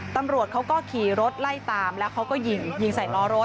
ตำรวจเขาก็ขี่รถไล่ตามแล้วเขาก็ยิงยิงใส่ล้อรถ